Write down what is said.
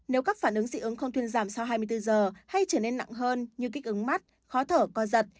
nếu các phản ứng dị ứng không thuyên giảm sau hai mươi bốn giờ hay trở nên nặng hơn như kích ứng mắt khó thở co giật